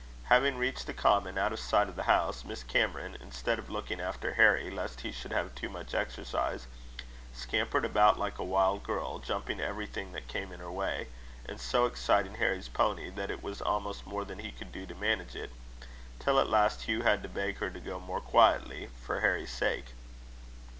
Having reached the common, out of sight of the house, Miss Cameron, instead of looking after Harry, lest he should have too much exercise, scampered about like a wild girl, jumping everything that came in her way, and so exciting Harry's pony, that it was almost more than he could do to manage it, till at last Hugh had to beg her to go more quietly, for Harry's sake.